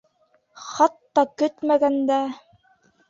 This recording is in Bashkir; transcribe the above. Хатта көтмәгәндә: